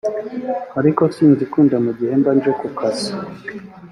ariko sinzikunda mu gihe mba nje ku kazi